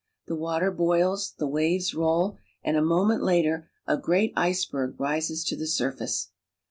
The water boils, the waves roll, and a moment later a great iceberg rises to the surface.